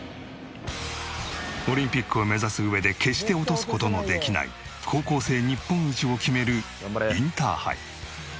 オリンピックを目指す上で決して落とす事のできない高校生日本一を決めるインターハイ。